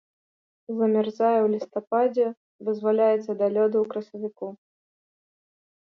Замярзае ў лістападзе, вызваляецца да лёду ў красавіку.